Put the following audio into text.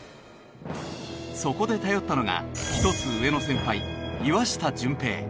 そこで頼ったのが１つ上の先輩岩下准平。